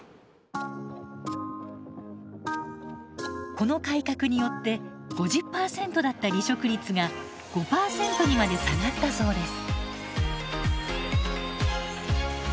この改革によって５０％だった離職率が５％にまで下がったそうです。